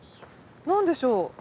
何でしょう？